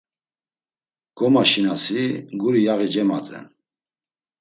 Gomaşinasi guri yaği cemadven.